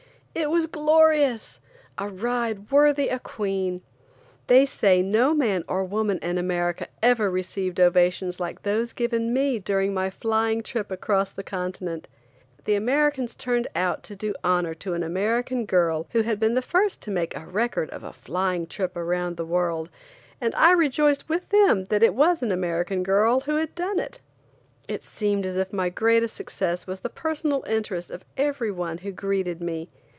It was glorious! A ride worthy a queen. They say no man or woman in America ever received ovations like those given me during my flying trip across the continent. The Americans turned out to do honor to an American girl who had been the first to make a record of a flying trip around the world, and I rejoiced with them that it was an American girl who had done it. It seemed as if my greatest success was the personal interest of every one who greeted me.